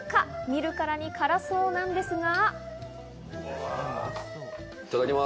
見るからに辛そうなんですが。